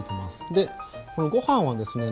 でご飯はですね